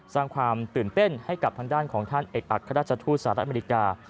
สร้างความตื่นเต้นให้กับทางด้านของท่านเอกอัครราชทูตสหรัฐอเมริกา